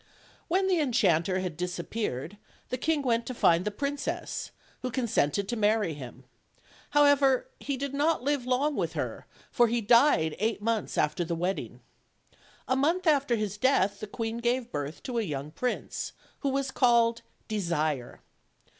When the enchanter had disappeared the king went to find the princess, who consented to marry him; however, he did not live long with her, for he died eight months after the wedding. A month after his death the queen gave birth to a young prince, who was called "Desire."